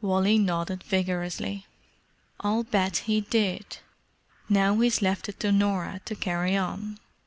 Wally nodded vigorously. "I'll bet he did. Now he's left it to Norah to carry on.